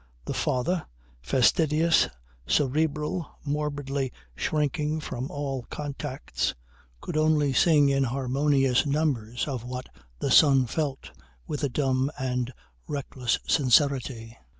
The father, fastidious, cerebral, morbidly shrinking from all contacts, could only sing in harmonious numbers of what the son felt with a dumb and reckless sincerity.